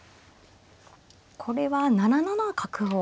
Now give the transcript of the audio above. これは７七角を。